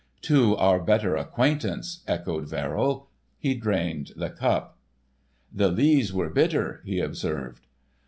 "To our better acquaintance," echoed Verrill. He drained the cup. "The lees were bitter," he observed.